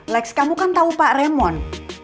lex kamu kan tau pak raymond